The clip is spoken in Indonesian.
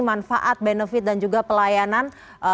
manfaat benefit dan juga pelayanan